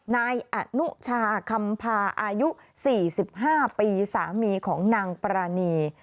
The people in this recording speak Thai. นายอนุชาคำพาอายุ๔๕ปีสามีของนางปรานี